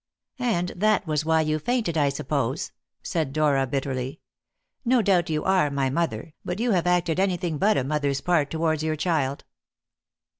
"And that was why you fainted, I suppose?" said Dora bitterly. "No doubt you are my mother, but you have acted anything but a mother's part towards your child."